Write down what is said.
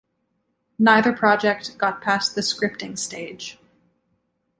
Neither project got past the scripting stage.